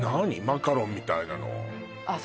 マカロンみたいなのあっ